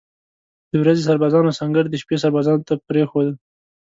د ورځې سربازانو سنګر د شپې سربازانو ته پرېښوده.